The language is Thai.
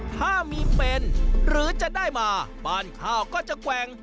ถ้ามีเป็นหรือจะได้มาบ้านข้าวก็จะแกว่ง